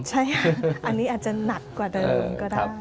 ใช่ค่ะอันนี้อาจจะหนักกว่าเดิมก็ได้